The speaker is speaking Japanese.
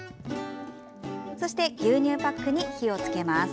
そして牛乳パックに火をつけます。